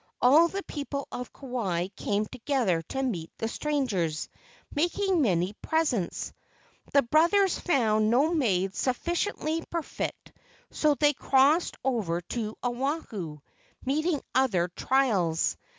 All the people of Kauai came together to meet the strangers, making many presents. The brothers found no maids sufficiently per¬ fect, so they crossed over to Oahu, meeting other trials.